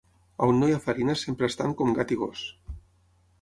On no hi ha farina sempre estan com gat i gos.